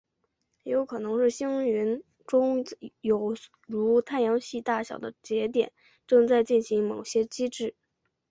也有可能是星云中有如太阳系大小的节点正在进行某些机制。